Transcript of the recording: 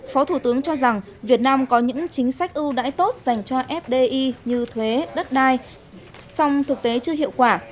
phó thủ tướng cho rằng việt nam có những chính sách ưu đãi tốt dành cho fdi như thuế đất đai song thực tế chưa hiệu quả